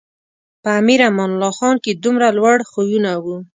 په امیر امان الله خان کې دومره لوړ خویونه و.